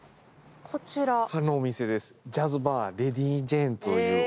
このお店です。